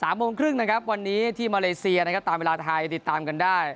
โมงครึ่งนะครับวันนี้ที่มาเลเซียนะครับตามเวลาไทยติดตามกันได้